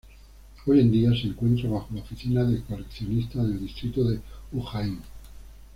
Hoy en día se encuentra bajo la oficina de coleccionista del distrito de Ujjain.